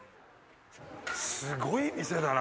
すごい店だな